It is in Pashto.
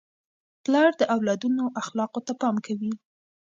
پلار د اولادونو اخلاقو ته پام کوي.